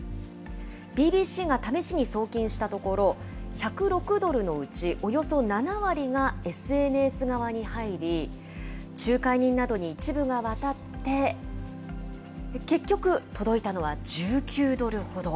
ＢＢＣが試しに送金したところ、１０６ドルのうち、およそ７割がＳＮＳ側に入り、仲介人などに一部が渡って、結局、届いたのは１９ドルほど。